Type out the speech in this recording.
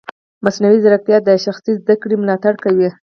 مصنوعي ځیرکتیا د شخصي زده کړې ملاتړ کوي.